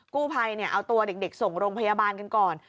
กู้ภัยเอาตัวเด็กส่งโรงพยาบาลกันก่อน